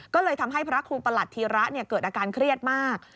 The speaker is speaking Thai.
ก็เลยทำให้พระครูประหลัดธีระเกิดอาการเครียดมาก